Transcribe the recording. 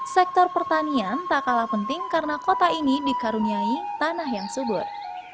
sektor pertanian tak kalah penting karena kota ini dikaruniai tanah yang subur